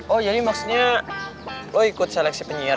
oh jadi maksudnya lo ikut seleksi penyiar gitu